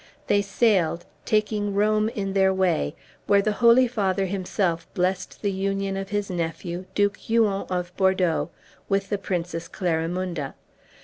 They sailed, taking Rome in their way, where the Holy Father himself blessed the union of his nephew, Duke Huon of Bordeaux, with the Princess Clarimunda.